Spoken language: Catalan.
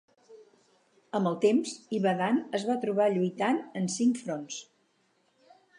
Amb el temps, Ibadan es va trobar lluitant en cinc fronts.